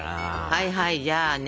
はいはいじゃあね